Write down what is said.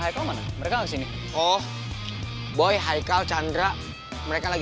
aku mau ke sana